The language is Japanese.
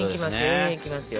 延々いきますよ。